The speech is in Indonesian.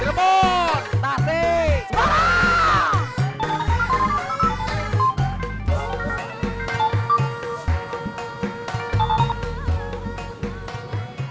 jerebon tasik semarang